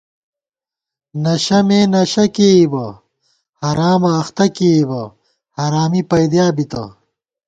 نشہ مے نشہ کېئیبہ ، حرامہ اختہ کېئیبہ ، حرمی پَئیدِیا بِتہ